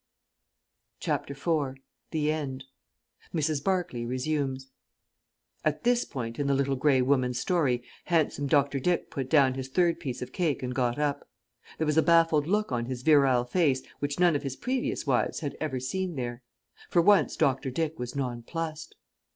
_] CHAPTER IV THE END (MRS. BARCLAY resumes) At this point in The Little Grey Woman's story handsome Dr. Dick put down his third piece of cake and got up. There was a baffled look on his virile face which none of his previous wives had ever seen there. For once Dr. Dick was nonplussed!